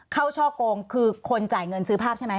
ช่อกงคือคนจ่ายเงินซื้อภาพใช่ไหม